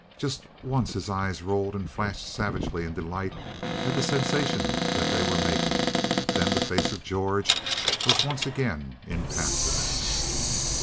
Just once his eyes rolled and flashed savagely in delight at the sensation that they were making, then the face of George was once again impassive.